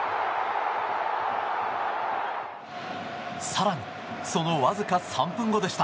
更に、そのわずか３分後でした。